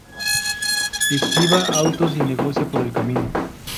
Esquiva autos y negocia por el camino.